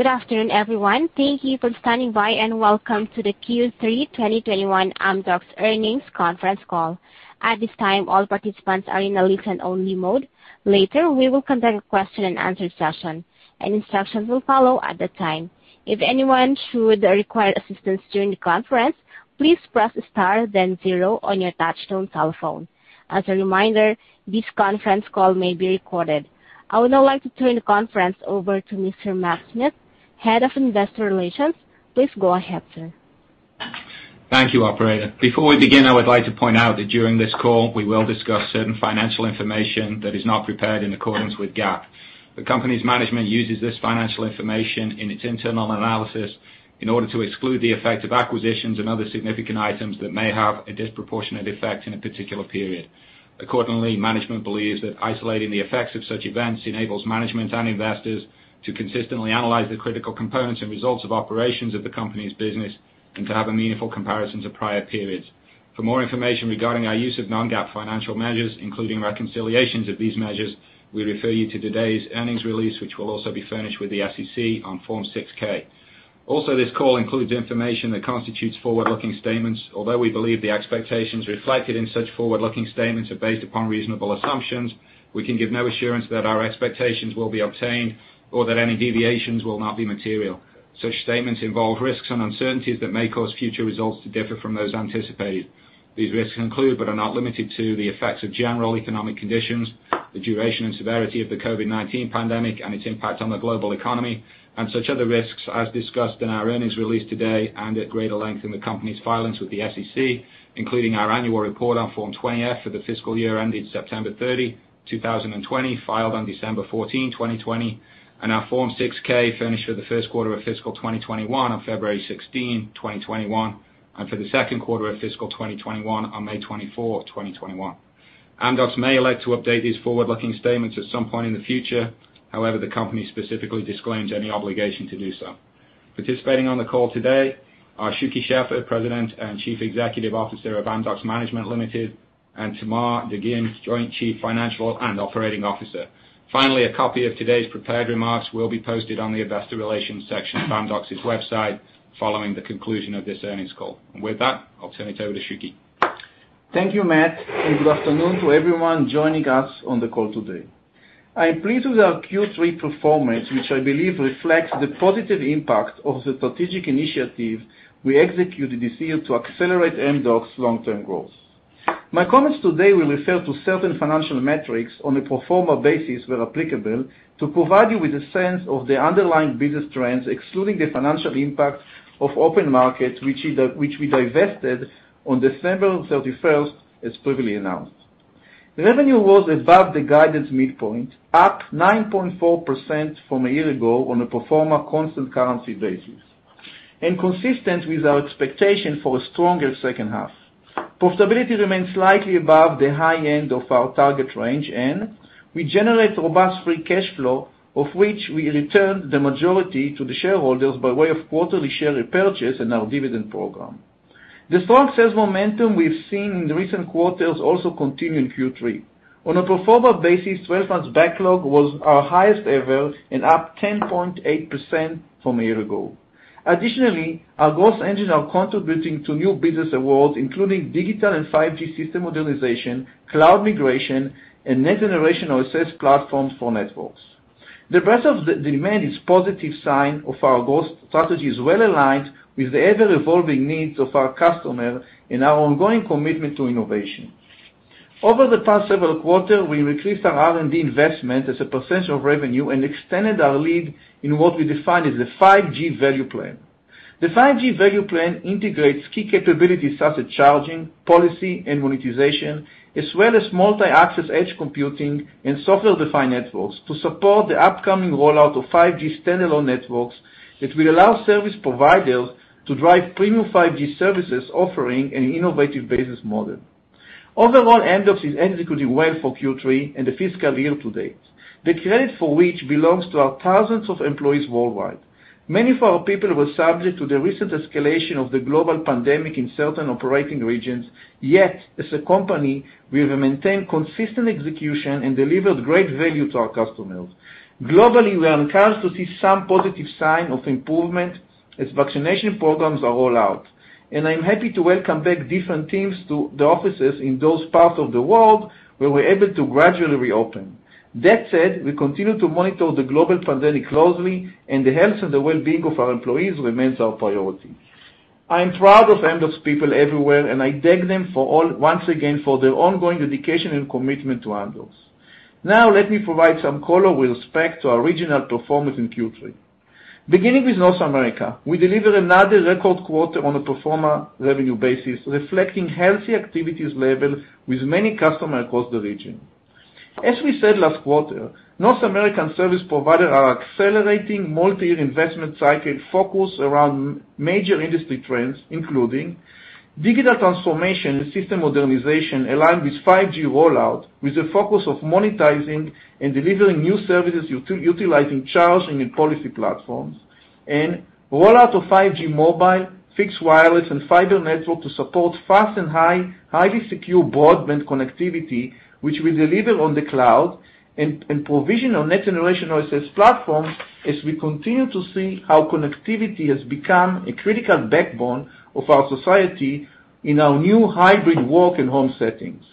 Good afternoon, everyone. Thank you for standing by, and welcome to the Q3 2021 Amdocs Earnings Conference Call. At this time, all participants are in a listen-only mode. Later, we will conduct a question and answer session, and instructions will follow at the time. If anyone should require operator assistance during the conference, please press star then zero on your touchtone telephone. As a reminder, this conference call may be recorded. I would now like to turn the conference over to Mr. Matthew Smith, Head of Investor Relations. Please go ahead, sir. Thank you, operator. Before we begin, I would like to point out that during this call, we will discuss certain financial information that is not prepared in accordance with GAAP. The company's management uses this financial information in its internal analysis in order to exclude the effect of acquisitions and other significant items that may have a disproportionate effect in a particular period. Accordingly, management believes that isolating the effects of such events enables management and investors to consistently analyze the critical components and results of operations of the company's business and to have a meaningful comparison to prior periods. For more information regarding our use of non-GAAP financial measures, including reconciliations of these measures, we refer you to today's earnings release, which will also be furnished with the SEC on Form 6-K. This call includes information that constitutes forward-looking statements. Although we believe the expectations reflected in such forward-looking statements are based upon reasonable assumptions, we can give no assurance that our expectations will be obtained or that any deviations will not be material. Such statements involve risks and uncertainties that may cause future results to differ from those anticipated. These risks include, but are not limited to, the effects of general economic conditions, the duration and severity of the COVID-19 pandemic, and its impact on the global economy, and such other risks as discussed in our earnings release today and at greater length in the company's filings with the SEC, including our annual report on Form 20-F for the fiscal year ending September 30, 2020, filed on December 14, 2020, and our Form 6-K furnished for the first quarter of fiscal 2021 on February 16, 2021, and for the second quarter of fiscal 2021 on May 24, 2021. Amdocs may elect to update these forward-looking statements at some point in the future. However, the company specifically disclaims any obligation to do so. Participating on the call today are Shuky Sheffer, President and Chief Executive Officer of Amdocs Management Limited, and Tamar Rapaport-Dagim, Joint Chief Financial and Operating Officer. Finally, a copy of today's prepared remarks will be posted on the investor relations section of Amdocs' website following the conclusion of this earnings call. With that, I'll turn it over to Shuky. Thank you, Matt. Good afternoon to everyone joining us on the call today. I am pleased with our Q3 performance, which I believe reflects the positive impact of the strategic initiative we executed this year to accelerate Amdocs' long-term growth. My comments today will refer to certain financial metrics on a pro forma basis where applicable, to provide you with a sense of the underlying business trends, excluding the financial impact of OpenMarket, which we divested on December 31st, as previously announced. The revenue was above the guidance midpoint, up 9.4% from a year ago on a pro forma constant currency basis and consistent with our expectation for a stronger second half. Profitability remains slightly above the high end of our target range, and we generate robust free cash flow, of which we return the majority to the shareholders by way of quarterly share repurchase and our dividend program. The strong sales momentum we've seen in the recent quarters also continued in Q3. On a pro forma basis, 12 months backlog was our highest ever and up 10.8% from a year ago. Additionally, our growth engines are contributing to new business awards, including digital and 5G system modernization, cloud migration, and next-generation OSS platforms for networks. The breadth of the demand is positive sign of our growth strategies well aligned with the ever-evolving needs of our customer and our ongoing commitment to innovation. Over the past several quarter, we increased our R&D investment as a percent of revenue and extended our lead in what we define as the 5G value plan. The 5G value plan integrates key capabilities such as charging, policy, and monetization, as well as multi-access edge computing and software-defined networks to support the upcoming rollout of 5G standalone networks that will allow service providers to drive premium 5G services offering an innovative business model. Overall, Amdocs is executing well for Q3 and the fiscal year to date. The credit for which belongs to our thousands of employees worldwide. Many of our people were subject to the recent escalation of the global pandemic in certain operating regions. As a company, we have maintained consistent execution and delivered great value to our customers. Globally, we are encouraged to see some positive signs of improvement as vaccination programs are rolled out. I'm happy to welcome back different teams to the offices in those parts of the world where we're able to gradually reopen. That said, we continue to monitor the global pandemic closely. The health and the wellbeing of our employees remains our priority. I am proud of Amdocs people everywhere, and I thank them once again for their ongoing dedication and commitment to Amdocs. Now, let me provide some color with respect to our regional performance in Q3. Beginning with North America, we delivered another record quarter on a pro forma revenue basis, reflecting healthy activities level with many customers across the region. As we said last quarter, North American service providers are accelerating multi-year investment cycle focused around major industry trends, including digital transformation and system modernization, aligned with 5G rollout, with the focus of monetizing and delivering new services utilizing charging and policy platforms. Rollout of 5G mobile, fixed wireless, and fiber network to support fast and highly secure broadband connectivity, which we deliver on the cloud, and provision our next-generation OSS platform as we continue to see how connectivity has become a critical backbone of our society in our new hybrid work and home settings.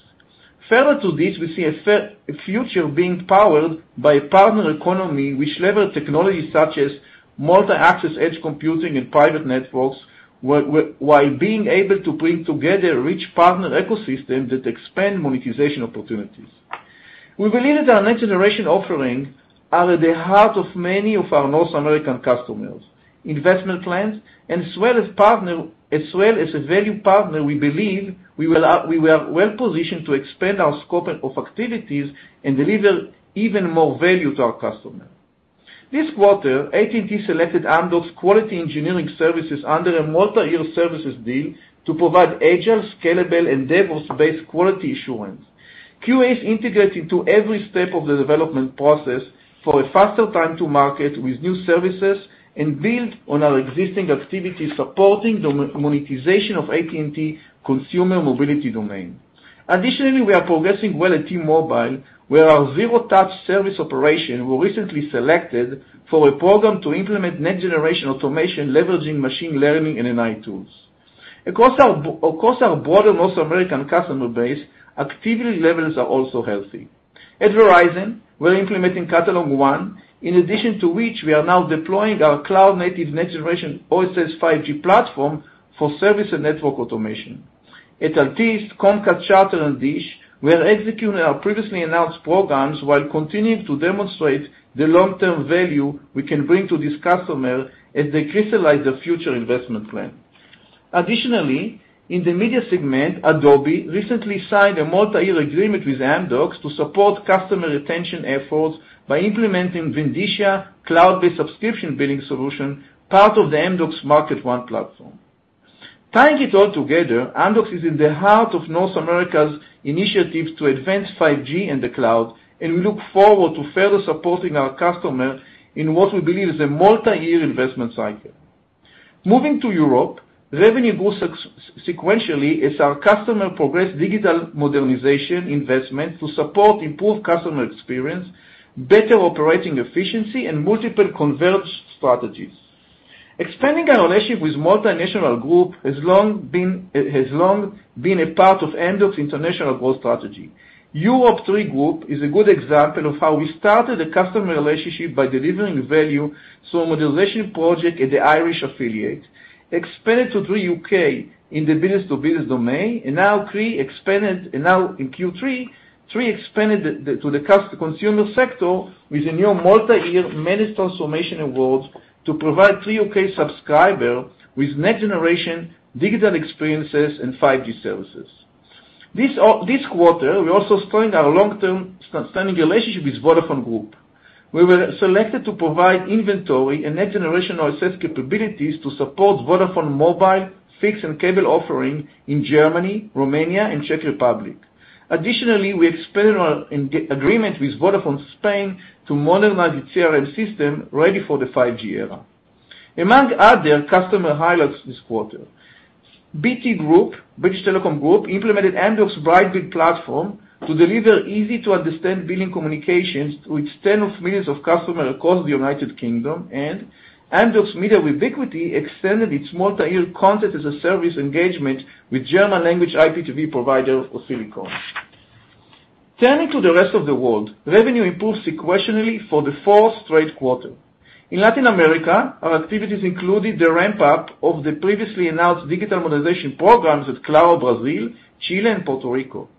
Further to this, we see a future being powered by a partner economy which lever technologies such as multi-access edge computing and private networks, while being able to bring together a rich partner ecosystem that expand monetization opportunities. We believe that our next-generation offerings are at the heart of many of our North American customers investment plans and as well as a value partner, we believe we are well-positioned to expand our scope of activities and deliver even more value to our customer. This quarter, AT&T selected Amdocs quality engineering services under a multiyear services deal to provide agile, scalable, and DevOps-based quality assurance. QAs integrate into every step of the development process for a faster time to market with new services and build on our existing activities supporting the monetization of AT&T consumer mobility domain. Additionally, we are progressing well at T-Mobile, where our zero-touch service operation were recently selected for a program to implement next-generation automation leveraging machine learning and AI tools. Across our broader North American customer base, activity levels are also healthy. At Verizon, we're implementing CatalogONE, in addition to which we are now deploying our cloud-native next generation OSS 5G platform for service and network automation. At Altice, Comcast, Charter, and Dish, we are executing our previously announced programs while continuing to demonstrate the long-term value we can bring to this customer as they crystallize their future investment plan. Additionally, in the media segment, Adobe recently signed a multi-year agreement with Amdocs to support customer retention efforts by implementing Vindicia cloud-based subscription billing solution, part of the Amdocs MarketONE platform. Tying it all together, Amdocs is in the heart of North America's initiatives to advance 5G in the cloud, and we look forward to further supporting our customer in what we believe is a multi-year investment cycle. Moving to Europe, revenue grew sequentially as our customer progressed digital modernization investment to support improved customer experience, better operating efficiency, and multiple converged strategies. Expanding our relationship with multinational group has long been a part of Amdocs' international growth strategy. Eir Group is a good example of how we started a customer relationship by delivering value through a modernization project at the Irish affiliate, expanded to Three UK in the business-to-business domain, and now in Q3, Three expanded to the consumer sector with a new multi-year managed transformation awards to provide Three UK subscriber with next-generation digital experiences and 5G services. This quarter, we also strengthened our long-term standing relationship with Vodafone Group, where we were selected to provide inventory and next-generation OSS capabilities to support Vodafone mobile, fixed, and cable offering in Germany, Romania, and Czech Republic. We expanded our agreement with Vodafone Spain to modernize its CRM system ready for the 5G era. Among other customer highlights this quarter, BT Group, British Telecom Group, implemented Amdocs BriteBill platform to deliver easy-to-understand billing communications to its tens of millions of customers across the U.K. Amdocs Vubiquity extended its multi-year content as a service engagement with German language IPTV provider, Ocilion. Turning to the rest of the world, revenue improved sequentially for the fourth straight quarter. In Latin America, our activities included the ramp-up of the previously announced digital modernization programs with Claro Brazil, Chile, and Puerto Rico.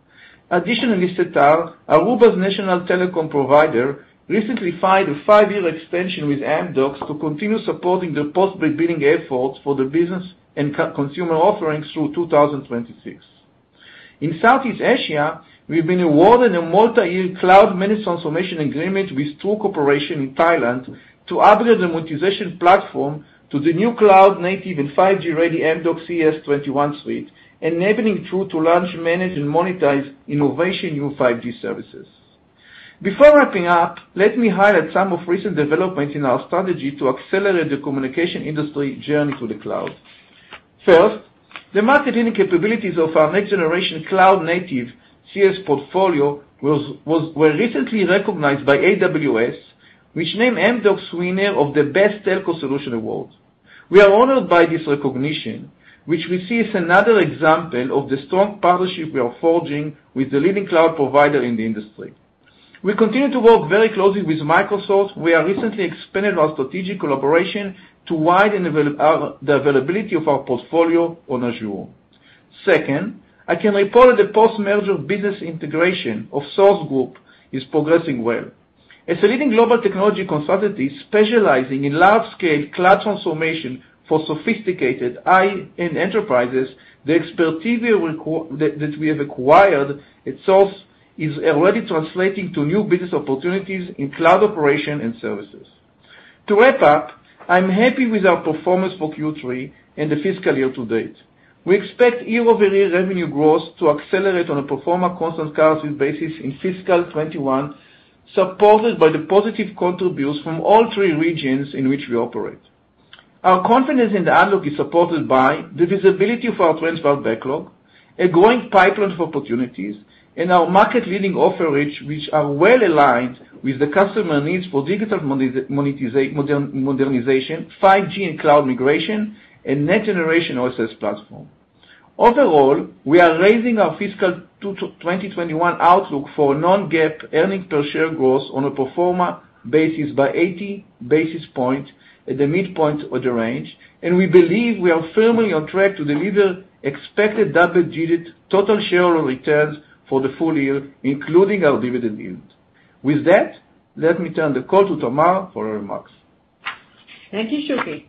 Additionally, SETAR, Aruba's national telecom provider, recently signed a five-year extension with Amdocs to continue supporting their post-billing efforts for their business and consumer offerings through 2026. In Southeast Asia, we've been awarded a multi-year cloud managed transformation agreement with True Corporation in Thailand to upgrade the monetization platform to the new cloud-native and 5G-ready Amdocs CES21 suite, enabling True to launch, manage, and monetize innovation new 5G services. Before wrapping up, let me highlight some of recent developments in our strategy to accelerate the communication industry journey to the cloud. First, the market-leading capabilities of our next-generation cloud-native CES portfolio were recently recognized by AWS, which named Amdocs winner of the Best Telco Solution Award. We are honored by this recognition, which we see as another example of the strong partnership we are forging with the leading cloud provider in the industry. We continue to work very closely with Microsoft. We have recently expanded our strategic collaboration to widen the availability of our portfolio on Azure. Second, I can report that the post-merger business integration of Sourced Group is progressing well. As a leading global technology consultancy specializing in large-scale cloud transformation for sophisticated high-end enterprises, the expertise that we have acquired at Sourced is already translating to new business opportunities in cloud operation and services. To wrap up, I'm happy with our performance for Q3 and the fiscal year to date. We expect year-over-year revenue growth to accelerate on a pro forma constant currency basis in fiscal 2021, supported by the positive contributions from all three regions in which we operate. Our confidence in the outlook is supported by the visibility of our transferred backlog, a growing pipeline of opportunities, and our market-leading offerings, which are well-aligned with the customer needs for digital modernization, 5G and cloud migration, and next generation OSS platform. Overall, we are raising our fiscal 2021 outlook for non-GAAP earnings per share growth on a pro forma basis by 80 basis points at the midpoint of the range, and we believe we are firmly on track to deliver expected double-digit total shareholder returns for the full year, including our dividend yield. With that, let me turn the call to Tamar for her remarks. Thank you, Shuky.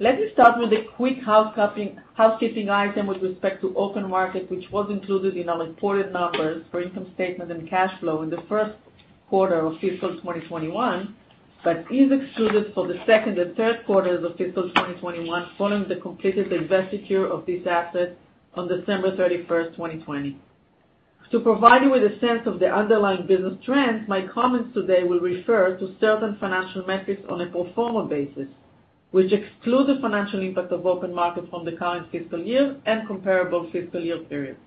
Let me start with a quick housekeeping item with respect to OpenMarket, which was included in our reported numbers for income statement and cash flow in the first quarter of fiscal 2021, but is excluded for the second and third quarters of fiscal 2021 following the completed divestiture of this asset on December 31st, 2020. To provide you with a sense of the underlying business trends, my comments today will refer to certain financial metrics on a pro forma basis, which exclude the financial impact of OpenMarket from the current fiscal year and comparable fiscal year periods.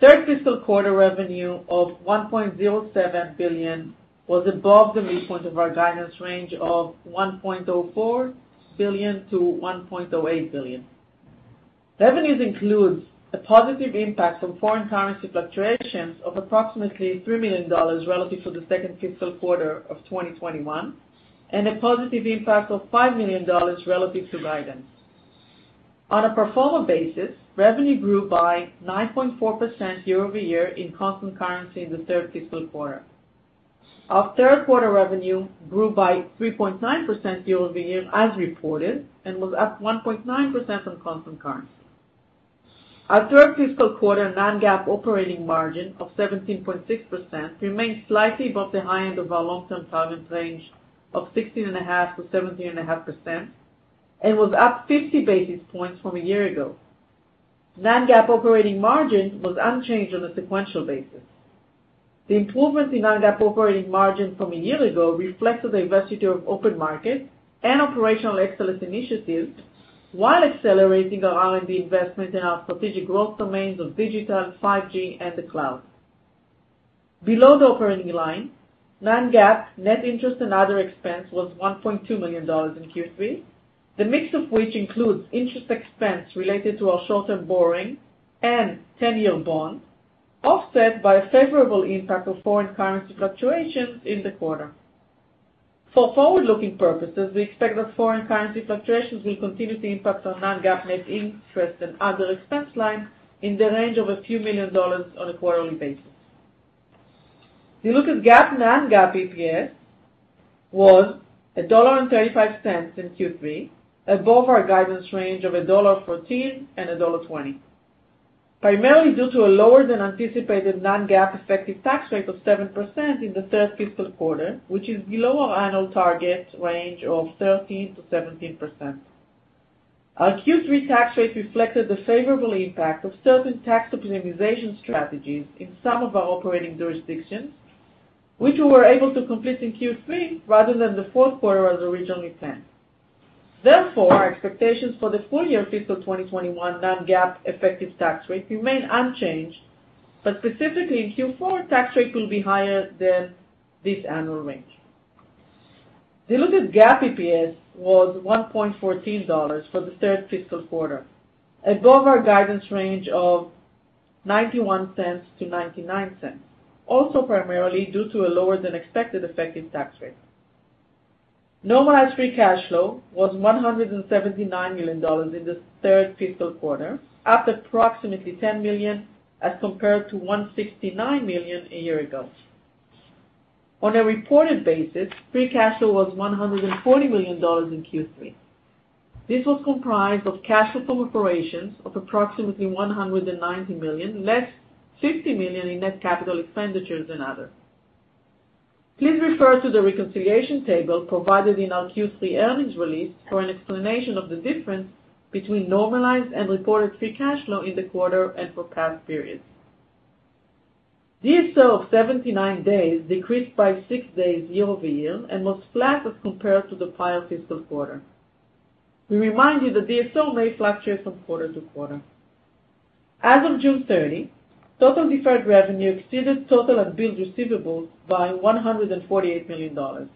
Third fiscal quarter revenue of $1.07 billion was above the midpoint of our guidance range of $1.04 billion-$1.08 billion. Revenues includes a positive impact from foreign currency fluctuations of approximately $3 million relative to the second fiscal quarter of 2021, and a positive impact of $5 million relative to guidance. On a pro forma basis, revenue grew by 9.4% year-over-year in constant currency in the third fiscal quarter. Our third quarter revenue grew by 3.9% year-over-year as reported, and was up 1.9% on constant currency. Our third fiscal quarter non-GAAP operating margin of 17.6% remains slightly above the high end of our long-term target range of 16.5%-17.5%, and was up 50 basis points from a year ago. Non-GAAP operating margin was unchanged on a sequential basis. The improvement in non-GAAP operating margin from a year ago reflected the divesture of OpenMarket and operational excellence initiatives while accelerating our R&D investment in our strategic growth domains of digital, 5G, and the cloud. Below the operating line, non-GAAP net interest and other expense was $1.2 million in Q3, the mix of which includes interest expense related to our short-term borrowing and 10-year bond, offset by a favorable impact of foreign currency fluctuations in the quarter. For forward-looking purposes, we expect that foreign currency fluctuations will continue to impact our non-GAAP net interest and other expense line in the range of a few million dollars on a quarterly basis. Diluted GAAP, non-GAAP EPS was $1.35 in Q3, above our guidance range of $1.14 and $1.20, primarily due to a lower than anticipated non-GAAP effective tax rate of 7% in the third fiscal quarter, which is below our annual target range of 13%-17%. Our Q3 tax rate reflected the favorable impact of certain tax optimization strategies in some of our operating jurisdictions, which we were able to complete in Q3 rather than the fourth quarter as originally planned. Our expectations for the full year fiscal 2021 non-GAAP effective tax rate remain unchanged, but specifically, in Q4, tax rate will be higher than this annual range. Diluted GAAP EPS was $1.14 for the third fiscal quarter, above our guidance range of $0.91-$0.99, also primarily due to a lower than expected effective tax rate. Normalized free cash flow was $179 million in the third fiscal quarter, up approximately $10 million as compared to $169 million a year ago. On a reported basis, free cash flow was $140 million in Q3. This was comprised of cash from operations of approximately $190 million, less $50 million in net capital expenditures and other. Please refer to the reconciliation table provided in our Q3 earnings release for an explanation of the difference between normalized and reported free cash flow in the quarter and for past periods. DSO of 79 days decreased by six days year-over-year and was flat as compared to the prior fiscal quarter. We remind you that DSO may fluctuate from quarter to quarter. As of June 30, total deferred revenue exceeded total unbilled receivables by $148 million.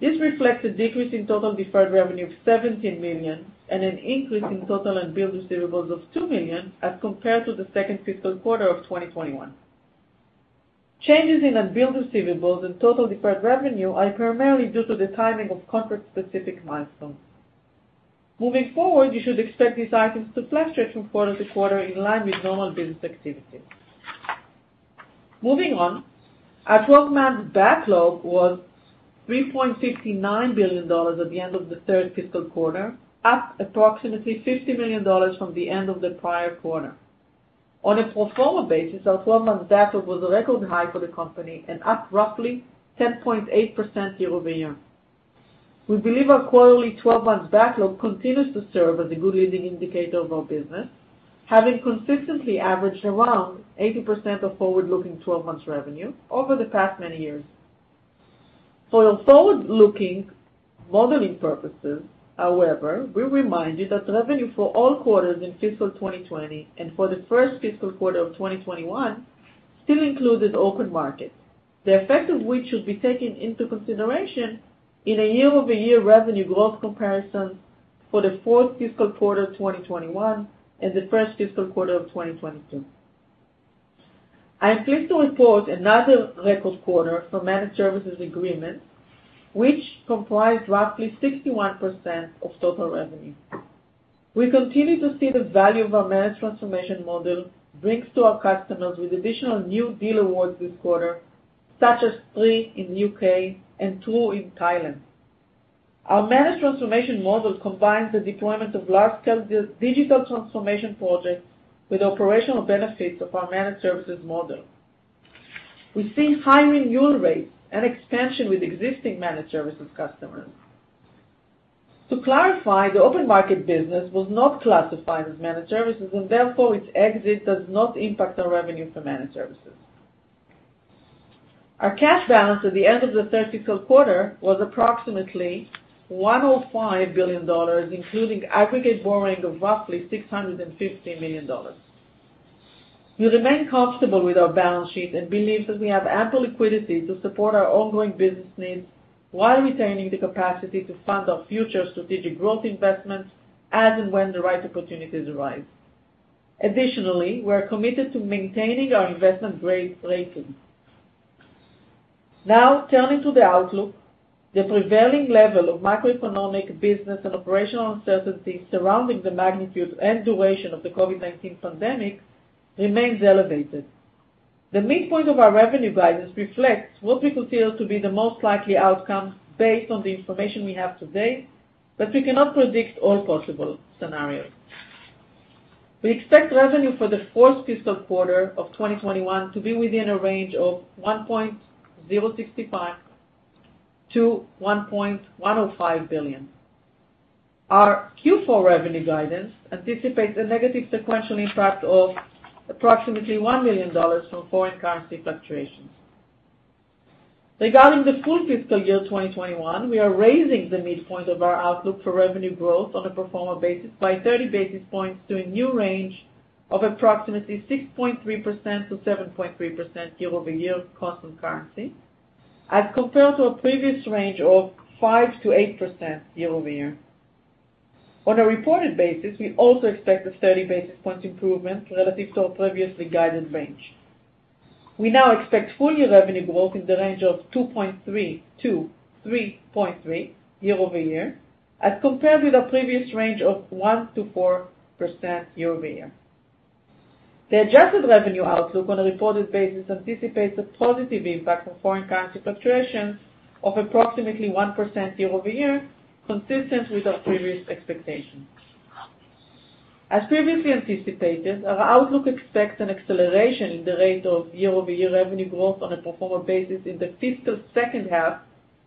This reflects a decrease in total deferred revenue of $17 million and an increase in total unbilled receivables of $2 million as compared to the second fiscal quarter of 2021. Changes in unbilled receivables and total deferred revenue are primarily due to the timing of contract-specific milestones. Moving forward, you should expect these items to fluctuate from quarter to quarter in line with normal business activity. Moving on. Our 12-month backlog was $3.59 billion at the end of the third fiscal quarter, up approximately $50 million from the end of the prior quarter. On a pro forma basis, our 12-month backlog was a record high for the company and up roughly 10.8% year-over-year. We believe our quarterly 12-months backlog continues to serve as a good leading indicator of our business, having consistently averaged around 80% of forward-looking 12-months revenue over the past many years. For your forward-looking modeling purposes, however, we remind you that revenue for all quarters in fiscal 2020 and for the first fiscal quarter of 2021 still included OpenMarket, the effect of which should be taken into consideration in a year-over-year revenue growth comparison for the fourth fiscal quarter 2021, and the first fiscal quarter of 2022. I am pleased to report another record quarter for managed services agreement, which comprised roughly 61% of total revenue. We continue to see the value of our managed transformation model brings to our customers with additional new deal awards this quarter, such as Three U.K. and True in Thailand. Our managed transformation model combines the deployment of large-scale digital transformation projects with the operational benefits of our managed services model. We see high renewal rates and expansion with existing managed services customers. To clarify, the OpenMarket business was not classified as managed services and therefore its exit does not impact our revenue for managed services. Our cash balance at the end of the third fiscal quarter was approximately $105 billion, including aggregate borrowing of roughly $650 million. We remain comfortable with our balance sheet and believe that we have ample liquidity to support our ongoing business needs while retaining the capacity to fund our future strategic growth investments as and when the right opportunities arise. Additionally, we're committed to maintaining our investment-grade rating. Turning to the outlook, the prevailing level of macroeconomic business and operational uncertainty surrounding the magnitude and duration of the COVID-19 pandemic remains elevated. The midpoint of our revenue guidance reflects what we consider to be the most likely outcome based on the information we have today, but we cannot predict all possible scenarios. We expect revenue for the fourth fiscal quarter of 2021 to be within a range of $1.065 billion-$1.105 billion. Our Q4 revenue guidance anticipates a negative sequential impact of approximately $1 million from foreign currency fluctuations. Regarding the full fiscal year 2021, we are raising the midpoint of our outlook for revenue growth on a pro forma basis by 30 basis points to a new range of approximately 6.3%-7.3% year-over-year constant currency, as compared to our previous range of 5%-8% year-over-year. On a reported basis, we also expect a 30 basis point improvement relative to our previously guided range. We now expect full-year revenue growth in the range of 2.3%-3.3% year-over-year, as compared with our previous range of 1%-4% year-over-year. The adjusted revenue outlook on a reported basis anticipates a positive impact of foreign currency fluctuations of approximately 1% year-over-year, consistent with our previous expectations. As previously anticipated, our outlook expects an acceleration in the rate of year-over-year revenue growth on a pro forma basis in the fiscal second half,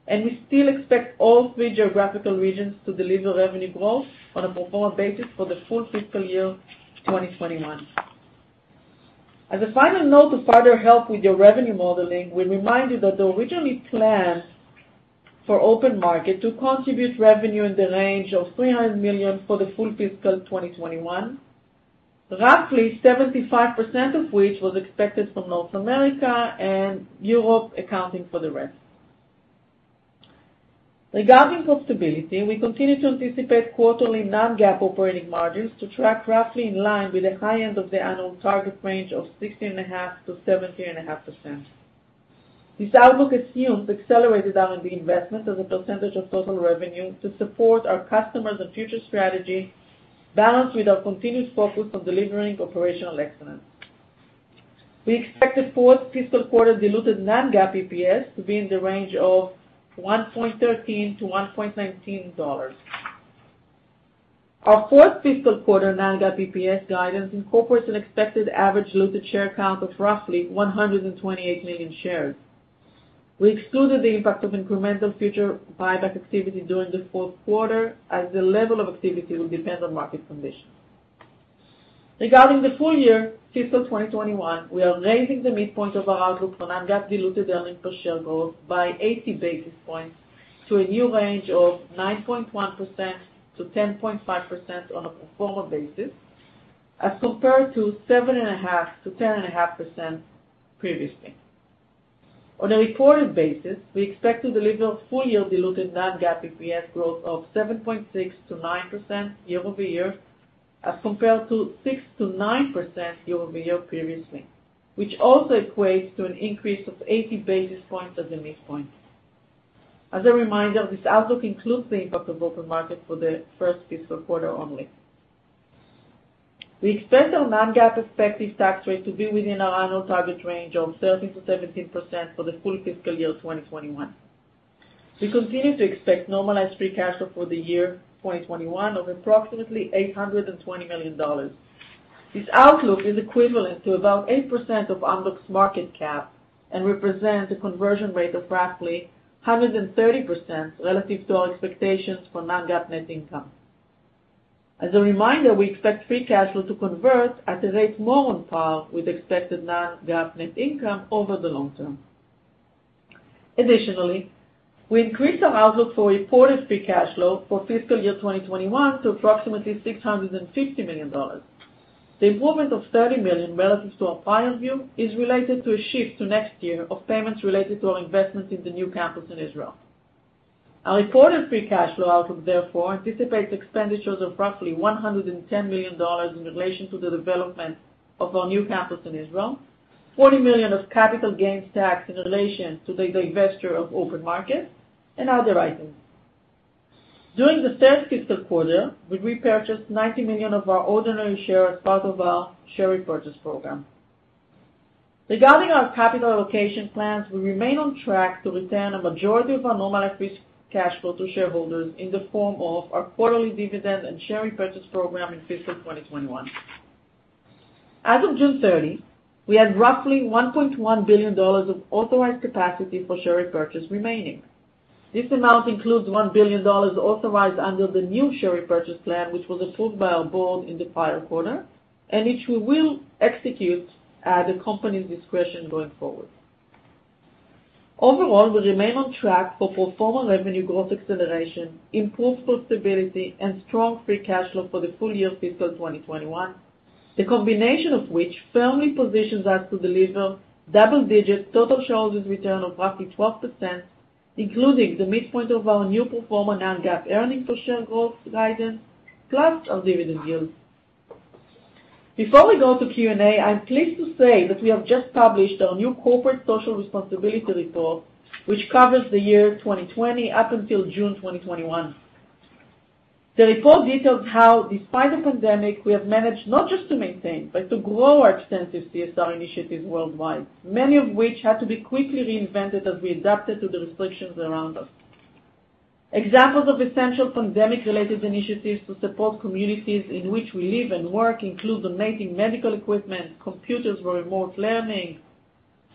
and we still expect all three geographical regions to deliver revenue growth on a pro forma basis for the full fiscal year 2021. As a final note, to further help with your revenue modeling, we remind you that the originally planned for OpenMarket to contribute revenue in the range of $300 million for the full fiscal 2021, roughly 75% of which was expected from North America, and Europe accounting for the rest. Regarding profitability, we continue to anticipate quarterly non-GAAP operating margins to track roughly in line with the high end of the annual target range of 16.5%-17.5%. This outlook assumes accelerated R&D investments as a percentage of total revenue to support our customers and future strategy, balanced with our continued focus on delivering operational excellence. We expect the fourth fiscal quarter diluted non-GAAP EPS to be in the range of $1.13 to $1.19. Our fourth fiscal quarter non-GAAP EPS guidance incorporates an expected average diluted share count of roughly 128 million shares. We excluded the impact of incremental future buyback activity during the fourth quarter, as the level of activity will depend on market conditions. Regarding the full year fiscal 2021, we are raising the midpoint of our outlook for non-GAAP diluted earnings per share growth by 80 basis points to a new range of 9.1% to 10.5% on a pro forma basis, as compared to 7.5% to 10.5% previously. On a reported basis, we expect to deliver full-year diluted non-GAAP EPS growth of 7.6%-9% year-over-year, as compared to 6%-9% year-over-year previously, which also equates to an increase of 80 basis points as a midpoint. As a reminder, this outlook includes the impact of OpenMarket for the first fiscal quarter only. We expect our non-GAAP effective tax rate to be within our annual target range of 13%-17% for the full fiscal year 2021. We continue to expect normalized free cash flow for the year 2021 of approximately $820 million. This outlook is equivalent to about 8% of Amdocs market cap and represents a conversion rate of roughly 130% relative to our expectations for non-GAAP net income. As a reminder, we expect free cash flow to convert at a rate more on par with expected non-GAAP net income over the long term. We increased our outlook for reported free cash flow for fiscal year 2021 to approximately $650 million. The improvement of $30 million relative to our prior view is related to a shift to next year of payments related to our investments in the new campus in Israel. Our reported free cash flow outlook, therefore, anticipates expenditures of roughly $110 million in relation to the development of our new campus in Israel, $40 million of capital gains tax in relation to the divestiture of OpenMarket, and other items. During the third fiscal quarter, we repurchased $90 million of our ordinary share as part of our share repurchase program. Regarding our capital allocation plans, we remain on track to return a majority of our normalized free cash flow to shareholders in the form of our quarterly dividend and share repurchase program in fiscal 2021. As of June 30, we had roughly $1.1 billion of authorized capacity for share repurchase remaining. This amount includes $1 billion authorized under the new share repurchase plan, which was approved by our board in the prior quarter, and which we will execute at the company's discretion going forward. Overall, we remain on track for pro forma revenue growth acceleration, improved profitability, and strong free cash flow for the full year fiscal 2021. The combination of which firmly positions us to deliver double-digit total shareholders' return of roughly 12%, including the midpoint of our new pro forma non-GAAP earnings per share growth guidance, plus our dividend yield. Before we go to Q&A, I'm pleased to say that we have just published our new corporate social responsibility report, which covers the year 2020 up until June 2021. The report details how, despite the pandemic, we have managed not just to maintain, but to grow our extensive CSR initiatives worldwide, many of which had to be quickly reinvented as we adapted to the restrictions around us. Examples of essential pandemic-related initiatives to support communities in which we live and work include donating medical equipment, computers for remote learning,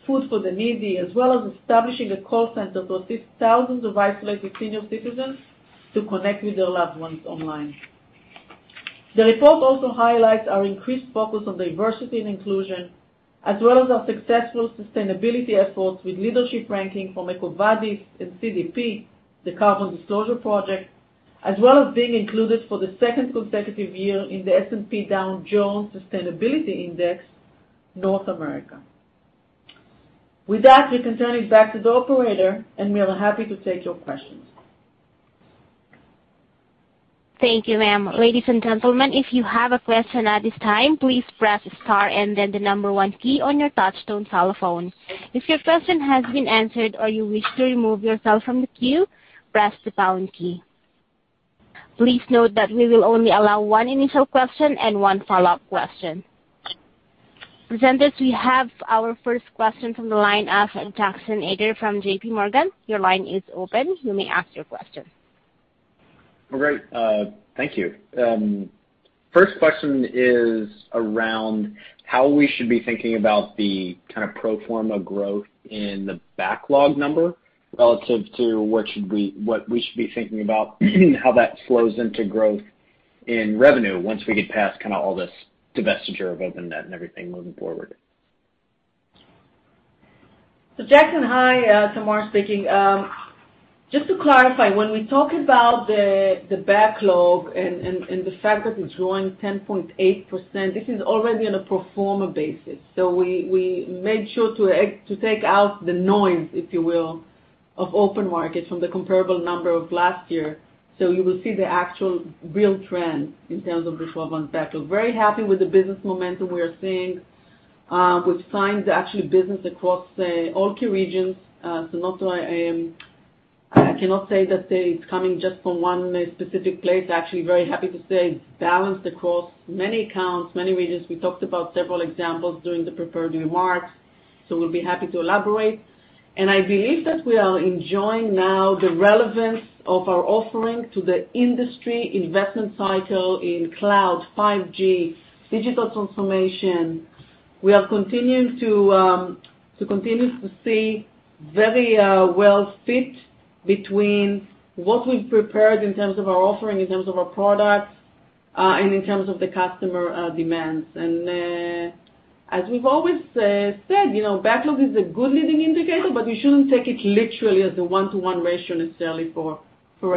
food for the needy, as well as establishing a call center to assist thousands of isolated senior citizens to connect with their loved ones online. The report also highlights our increased focus on diversity and inclusion, as well as our successful sustainability efforts with leadership ranking from EcoVadis and CDP, the Carbon Disclosure Project, as well as being included for the second consecutive year in the S&P Dow Jones Sustainability Index, North America. With that, we can turn it back to the operator, and we are happy to take your questions. Thank you, ma'am. Ladies and gentlemen, if you have a question at this time, please press star and then the number one key on your touch-tone telephone. If your question has been answered or you wish to remove yourself from the queue, press the pound key. Please note that we will only allow one initial question and one follow-up question. Presenters, we have our first question from the line of Jackson Ader from JPMorgan. Your line is open. You may ask your question. Great. Thank you. First question is around how we should be thinking about the pro forma growth in the backlog number relative to what we should be thinking about how that flows into growth in revenue once we get past, kind of all this divestiture of OpenET and everything moving forward. Jackson, hi, Tamar speaking. Just to clarify, when we talk about the backlog and the fact that it's growing 10.8%, this is already on a pro forma basis. We made sure to take out the noise, if you will, of OpenMarket from the comparable number of last year. You will see the actual real trend in terms of the 12-month backlog. Very happy with the business momentum we are seeing, with signs of actual business across all key regions. I cannot say that it's coming just from one specific place. Actually, very happy to say it's balanced across many accounts, many regions. We talked about several examples during the prepared remarks, we'll be happy to elaborate. I believe that we are enjoying now the relevance of our offering to the industry investment cycle in cloud, 5G, digital transformation. We are continuing to see very well fit between what we've prepared in terms of our offering, in terms of our products, and in terms of the customer demands. As we've always said, backlog is a good leading indicator, but we shouldn't take it literally as a 1:1 ratio necessarily for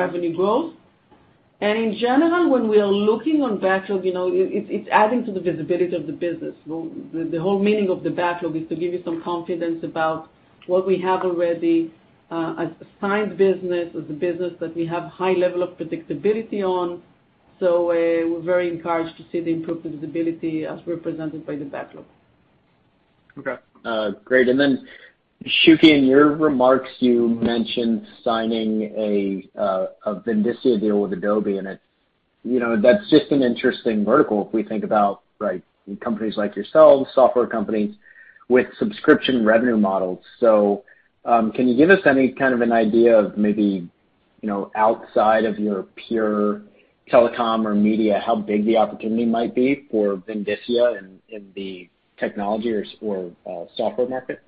revenue growth. In general, when we are looking on backlog, it's adding to the visibility of the business. The whole meaning of the backlog is to give you some confidence about what we have already assigned business as a business that we have high level of predictability on. We're very encouraged to see the improved visibility as represented by the backlog. Okay. Great. Shuky, in your remarks, you mentioned signing a Vindicia deal with Adobe. That's just an interesting vertical if we think about companies like yourselves, software companies with subscription revenue models. Can you give us any kind of an idea of maybe, outside of your pure telecom or media, how big the opportunity might be for Vindicia in the technology or software market?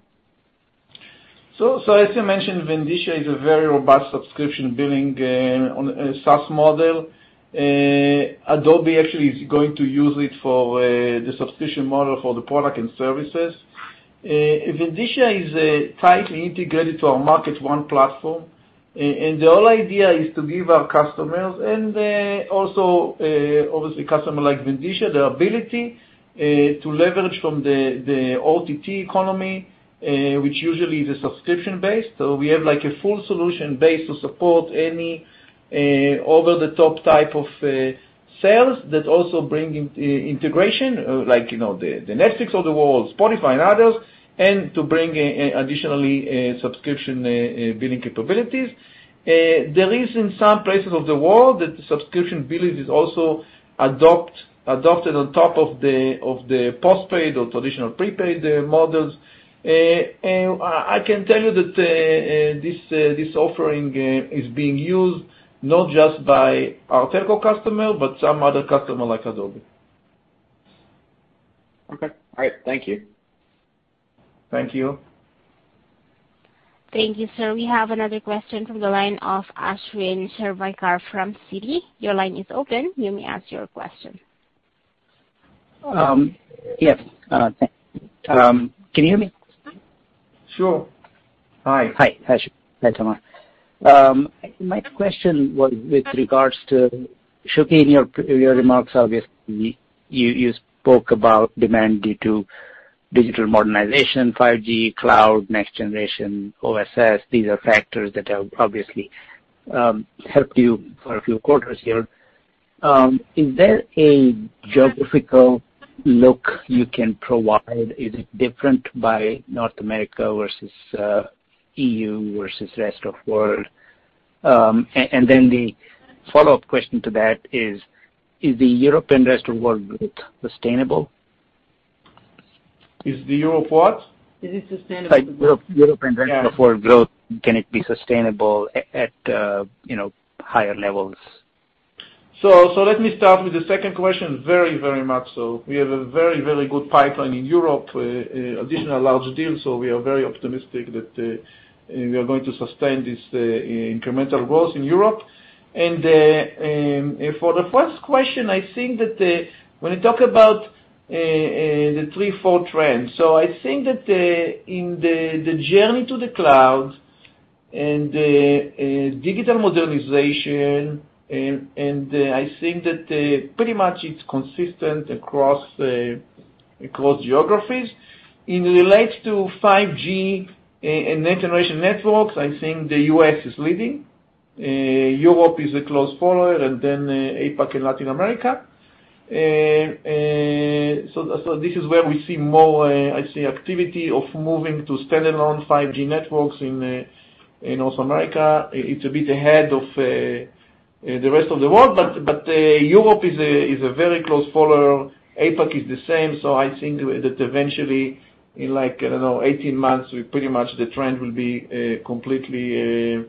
As you mentioned, Vindicia is a very robust subscription billing on a SaaS model. Adobe actually is going to use it for the subscription model for the product and services. Vindicia is tightly integrated to our MarketONE platform, and the whole idea is to give our customers, and also obviously customer like Vindicia, the ability to leverage from the OTT economy, which usually is a subscription base. We have a full solution base to support any over-the-top type of sales that also bring integration, like the Netflix of the world, Spotify and others, and to bring additionally subscription billing capabilities. There is in some places of the world, that subscription billing is also adopted on top of the postpaid or traditional prepaid models. I can tell you that this offering is being used not just by our telco customer, but some other customer like Adobe. Okay. All right. Thank you. Thank you. Thank you, sir. We have another question from the line of Ashwin Shirvaikar from Citi. Your line is open. You may ask your question. Yes. Thank. Can you hear me? Sure. Hi. Hi, Ashwin Hi, Tamar. My question was with regards to Shuky, in your remarks, obviously, you spoke about demand due to digital modernization, 5G, cloud, next generation OSS. These are factors that have obviously helped you for a few quarters here. Is there a geographical look you can provide? Is it different by North America versus EU versus rest of world? The follow-up question to that is the European rest of world growth sustainable? Is the Europe what? Is it sustainable? Like European rest of world growth, can it be sustainable at higher levels? Let me start with the second question. Very much so. We have a very good pipeline in Europe, additional large deals, we are very optimistic that we are going to sustain this incremental growth in Europe. For the first question, I think that when you talk about the three, four trends. I think that in the journey to the cloud and digital modernization, and I think that pretty much it's consistent across geographies. In relates to 5G and next generation networks, I think the U.S. is leading. Europe is a close follower, and then APAC and Latin America. This is where we see more, I see activity of moving to standalone 5G networks in North America. It's a bit ahead of the rest of the world, but Europe is a very close follower. APAC is the same. I think that eventually in, I don't know, 18 months, pretty much the trend will be completely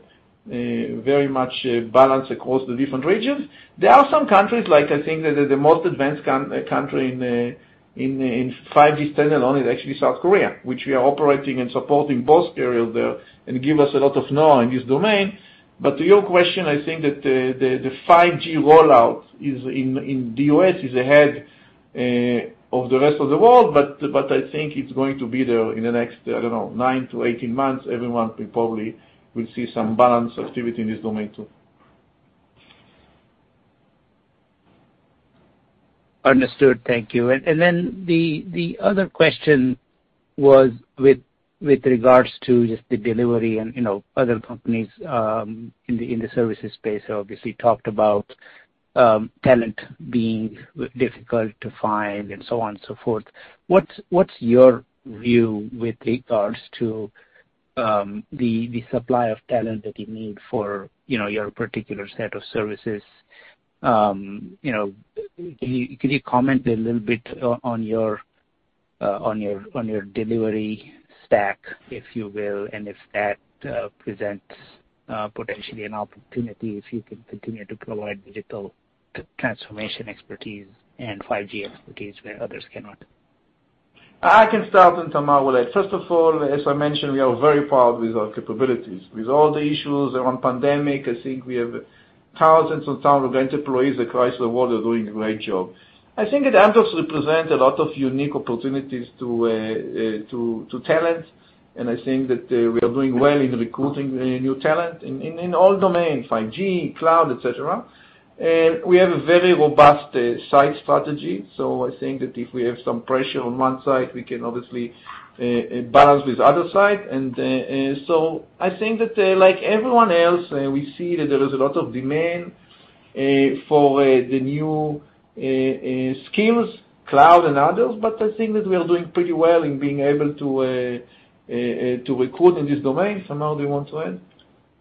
very much balanced across the different regions. There are some countries, I think that the most advanced country in 5G standalone is actually South Korea, which we are operating and supporting both areas there and give us a lot of know in this domain. To your question, I think that the 5G rollout in the U.S. is ahead of the rest of the world, but I think it's going to be there in the next, I don't know, 9-18 months. Everyone will probably will see some balance activity in this domain, too. Understood. Thank you. The other question was with regards to just the delivery and other companies in the services space obviously talked about talent being difficult to find and so on and so forth. What's your view with regards to the supply of talent that you need for your particular set of services? Can you comment a little bit on your delivery stack, if you will, and if that presents potentially an opportunity if you can continue to provide digital transformation expertise and 5G expertise where others cannot? I can start and Tamar will add. First of all, as I mentioned, we are very proud with our capabilities. With all the issues around pandemic, I think we have thousands and thousands of employees across the world are doing a great job. I think it also represents a lot of unique opportunities to talent. I think that we are doing well in recruiting new talent in all domains, 5G, cloud, et cetera. We have a very robust site strategy. I think that if we have some pressure on one site, we can obviously balance with other site. I think that, like everyone else, we see that there is a lot of demand for the new skills, cloud and others. I think that we are doing pretty well in being able to recruit in this domain. Tamar, do you want to add?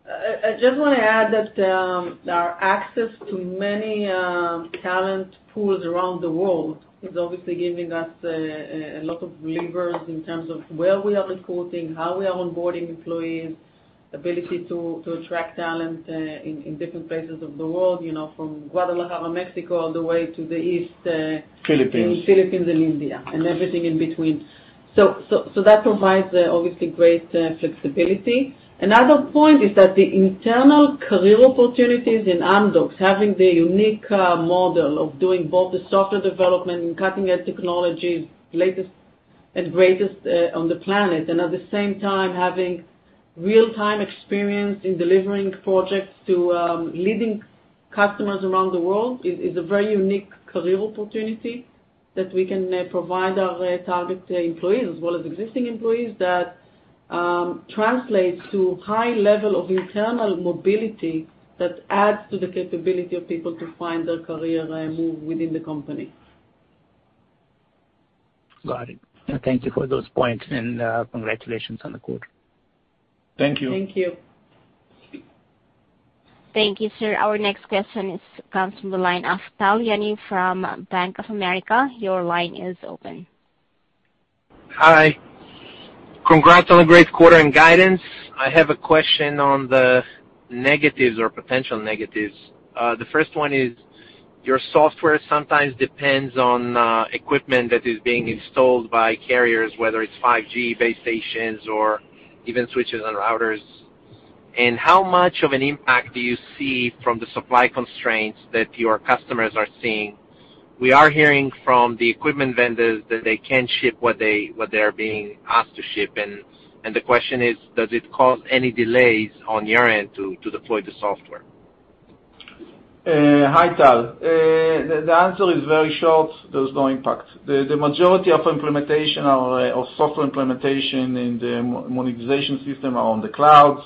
I just want to add that our access to many talent pools around the world is obviously giving us a lot of levers in terms of where we are recruiting, how we are onboarding employees, ability to attract talent in different places of the world, from Guadalajara, Mexico, all the way to the east. Philippines Philippines and India, everything in between. That provides obviously great flexibility. Another point is that the internal career opportunities in Amdocs, having the unique model of doing both the software development and cutting-edge technologies, latest and greatest on the planet, and at the same time, having real-time experience in delivering projects to leading customers around the world, is a very unique career opportunity that we can provide our target employees as well as existing employees that translates to high level of internal mobility that adds to the capability of people to find their career move within the company. Got it. Thank you for those points, and congratulations on the quarter. Thank you. Thank you. Thank you, sir. Our next question comes from the line of Tal Liani from Bank of America. Your line is open. Hi. Congrats on a great quarter and guidance. I have a question on the negatives or potential negatives. The first one is, your software sometimes depends on equipment that is being installed by carriers, whether it's 5G base stations or even switches and routers. How much of an impact do you see from the supply constraints that your customers are seeing? We are hearing from the equipment vendors that they can't ship what they are being asked to ship, and the question is, does it cause any delays on your end to deploy the software? Hi, Tal. The answer is very short. There's no impact. The majority of software implementation in the monetization system are on the cloud,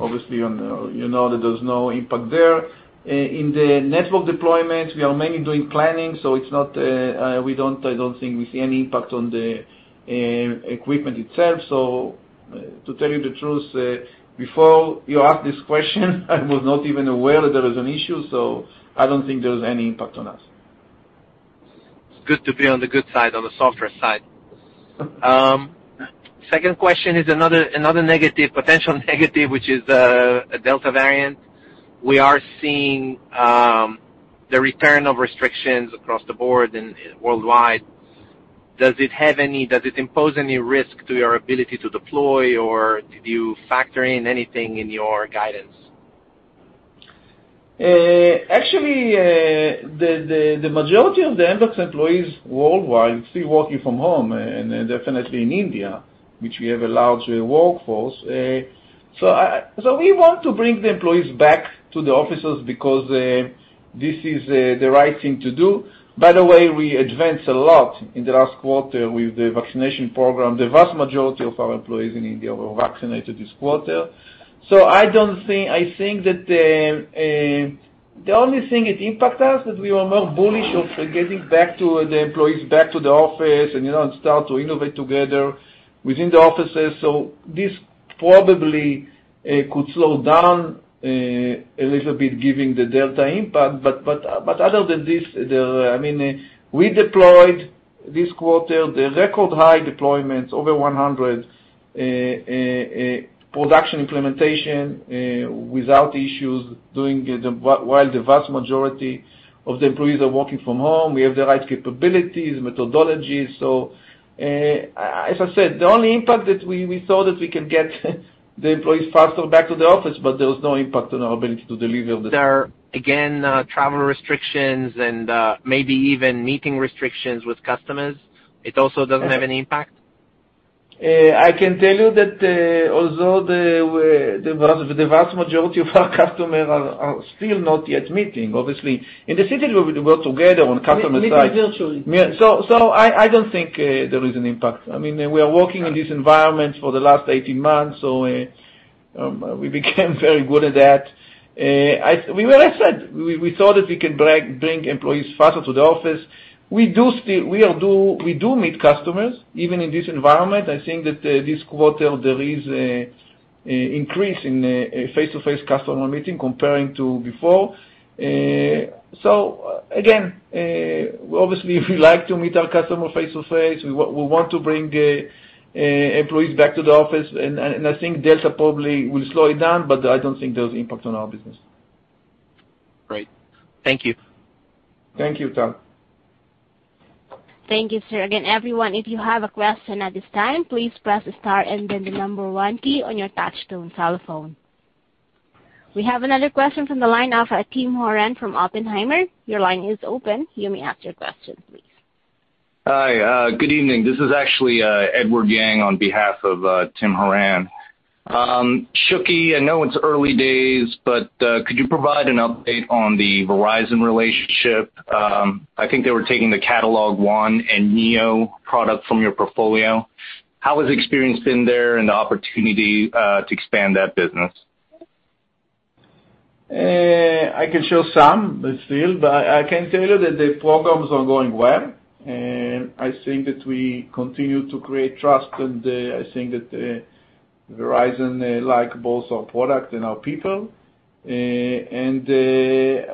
obviously, you know that there's no impact there. In the network deployment, we are mainly doing planning, I don't think we see any impact on the equipment itself. To tell you the truth, before you asked this question I was not even aware that there is an issue, I don't think there's any impact on us. Good to be on the good side, on the software side. Second question is another potential negative, which is a Delta variant. We are seeing the return of restrictions across the board and worldwide. Does it impose any risk to your ability to deploy, or did you factor in anything in your guidance? Actually, the majority of the Amdocs employees worldwide still working from home, and definitely in India, which we have a large workforce. We want to bring the employees back to the offices because this is the right thing to do. By the way, we advanced a lot in the last quarter with the vaccination program. The vast majority of our employees in India were vaccinated this quarter. I think that the only thing it impact us, that we were more bullish of getting back to the employees back to the office and start to innovate together within the offices. This probably could slow down a little bit giving the Delta impact. Other than this, we deployed this quarter the record high deployments, over 100 production implementation without issues while the vast majority of the employees are working from home. We have the right capabilities, methodologies. As I said, the only impact that we saw, that we could get the employees faster back to the office, but there was no impact on our ability to deliver. There are, again, travel restrictions and maybe even meeting restrictions with customers. It also doesn't have any impact? I can tell you that although the vast majority of our customers are still not yet meeting, obviously, in the Citi, we work together on customer side. Meeting virtually. I don't think there is an impact. We are working in this environment for the last 18 months, so we became very good at that. Like I said, we thought that we could bring employees faster to the office. We do meet customers, even in this environment. I think that this quarter, there is increase in face-to-face customer meeting comparing to before. Again, obviously, we like to meet our customer face-to-face. We want to bring the employees back to the office, and I think Delta probably will slow it down, but I don't think there's impact on our business. Great. Thank you. Thank you, Tal. Thank you, sir. Everyone, if you have a question at this time, please press star and then the number one key on your touch-tone telephone. We have another question from the line of Tim Horan from Oppenheimer. Your line is open. You may ask your question please. Hi. Good evening. This is actually Edward Yang on behalf of Tim Horan. Shuky, I know it's early days, but could you provide an update on the Verizon relationship? I think they were taking the CatalogONE and Amdocs NEO product from your portfolio. How has the experience been there and the opportunity to expand that business? I can show some, but still, but I can tell you that the programs are going well, and I think that we continue to create trust, and I think that Verizon like both our product and our people.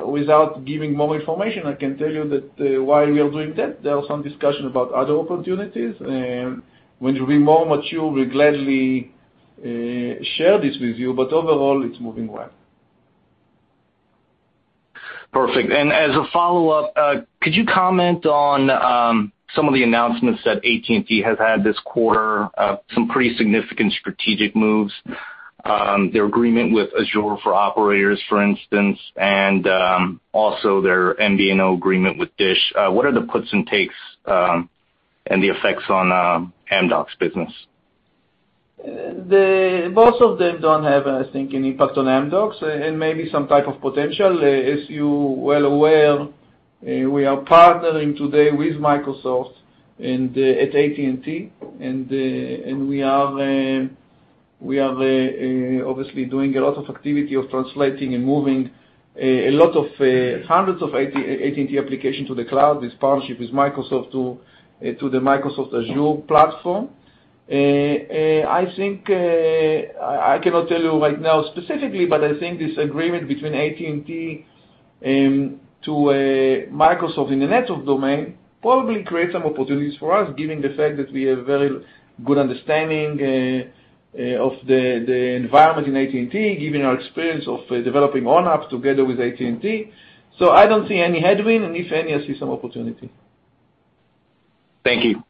Without giving more information, I can tell you that while we are doing that, there are some discussion about other opportunities, and when we're more mature, we'll gladly share this with you. Overall, it's moving well. Perfect. As a follow-up, could you comment on some of the announcements that AT&T has had this quarter, some pretty significant strategic moves, their agreement with Azure for Operators, for instance, and also their MVNO agreement with Dish? What are the puts and takes, and the effects on Amdocs business? Both of them don't have, I think, any impact on Amdocs and maybe some type of potential. As you're well aware, we are partnering today with Microsoft and at AT&T, and we are obviously doing a lot of activity of translating and moving a lot of hundreds of AT&T application to the cloud, this partnership with Microsoft to the Microsoft Azure platform. I cannot tell you right now specifically, but I think this agreement between AT&T to Microsoft in the network domain probably creates some opportunities for us, given the fact that we have very good understanding of the environment in AT&T, given our experience of developing on apps together with AT&T. I don't see any headwind, and if any, I see some opportunity. Thank you.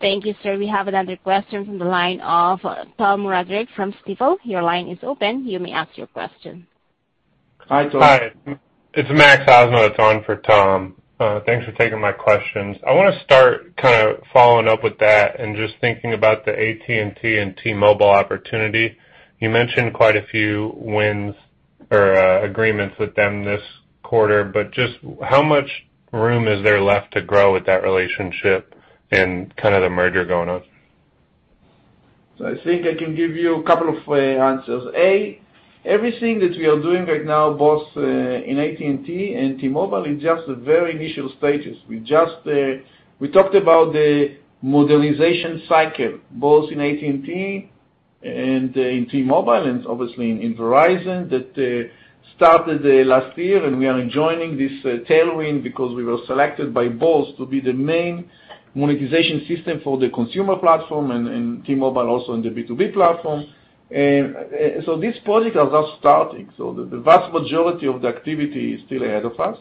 Thank you, sir. We have another question from the line of Thomas Roderick from Stifel. Your line is open. You may ask your question. Hi, Tom. Hi. It's Max Osnowitz that's on for Thomas Roderick. Thanks for taking my questions. I want to start following up with that and just thinking about the AT&T and T-Mobile opportunity. You mentioned quite a few wins or agreements with them this quarter, but just how much room is there left to grow with that relationship and the merger going on? I think I can give you a couple of answers. A, everything that we are doing right now, both in AT&T and T-Mobile, is just the very initial stages. We talked about the modernization cycle, both in AT&T and in T-Mobile, and obviously in Verizon, that started last year, and we are enjoying this tailwind because we were selected by both to be the main monetization system for the consumer platform and T-Mobile also in the B2B platform. This project has just started. The vast majority of the activity is still ahead of us.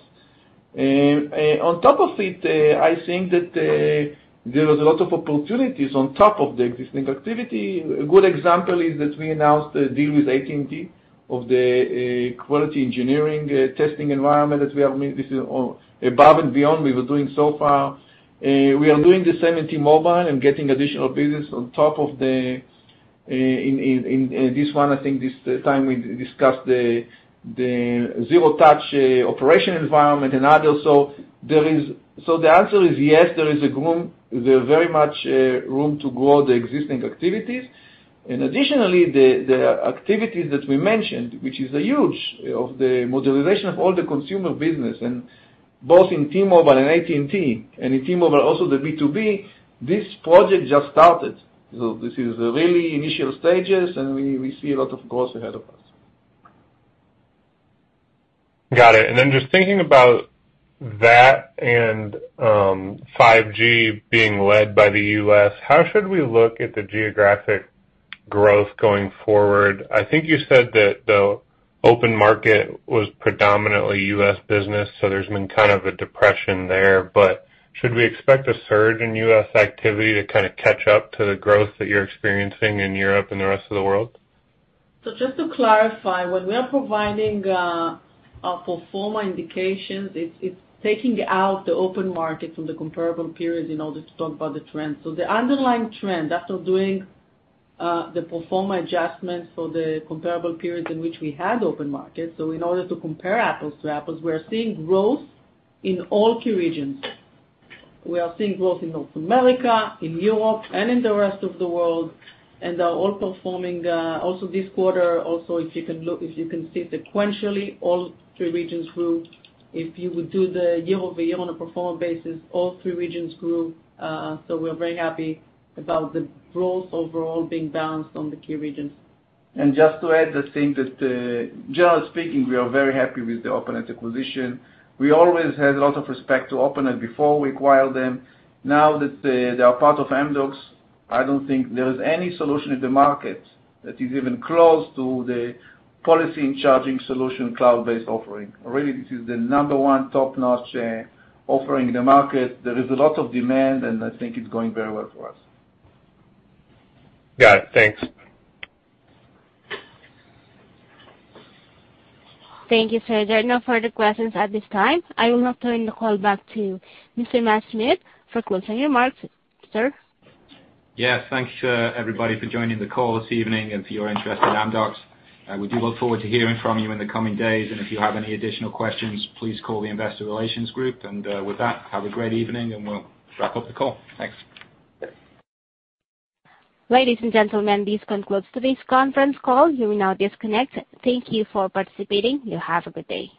On top of it, I think that there is a lot of opportunities on top of the existing activity. A good example is that we announced a deal with AT&T of the quality engineering testing environment that we have made. This is above and beyond we were doing so far. We are doing the same in T-Mobile and getting additional business on top of the, in this one, I think this time we discussed the zero touch operation environment and other. The answer is yes, there's very much room to grow the existing activities. Additionally, the activities that we mentioned, which is huge, of the modernization of all the consumer business and both in T-Mobile and AT&T, and in T-Mobile, also the B2B, this project just started. This is really initial stages, and we see a lot of growth ahead of us. Got it. Just thinking about that and 5G being led by the U.S., how should we look at the geographic growth going forward? I think you said that the OpenMarket was predominantly U.S. business, so there's been kind of a depression there. Should we expect a surge in U.S. activity to catch up to the growth that you're experiencing in Europe and the rest of the world? Just to clarify, when we are providing a pro forma indication, it's taking out the OpenMarket from the comparable periods in order to talk about the trend. The underlying trend, after doing the pro forma adjustments for the comparable periods in which we had OpenMarket, so in order to compare apples to apples, we're seeing growth in all key regions. We are seeing growth in North America, in Europe, and in the rest of the world, and are all performing, also this quarter, also, if you can see sequentially, all three regions grew. If you would do the year-over-year on a pro forma basis, all three regions grew. We're very happy about the growth overall being balanced on the key regions. Just to add the thing that, generally speaking, we are very happy with the OpenET acquisition. We always had a lot of respect to OpenET before we acquired them. Now that they are part of Amdocs, I don't think there is any solution in the market that is even close to the policy and charging solution cloud-based offering. Already, this is the number one top-notch offering in the market. There is a lot of demand, and I think it's going very well for us. Got it. Thanks. Thank you, sir. There are no further questions at this time. I will now turn the call back to Mr. Matthew Smith for closing remarks. Sir? Thanks everybody for joining the call this evening and for your interest in Amdocs. We do look forward to hearing from you in the coming days. If you have any additional questions, please call the investor relations group. With that, have a great evening, and we'll wrap up the call. Thanks. Ladies and gentlemen, this concludes today's conference call. You may now disconnect. Thank you for participating. You have a good day.